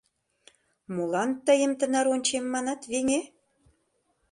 Молан тыйым тынар ончем, манат, веҥе?